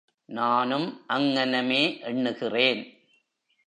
நானும் அங்ஙனமே எண்ணுகிறேன்.